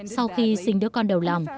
sau khi sinh đứa con đầu lòng